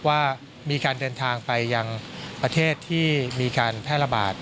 ว่ามีการเดินทางไปยังประเทศที่มีการแพร่ระบาด